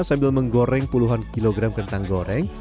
sambil menggoreng puluhan kilogram kentang goreng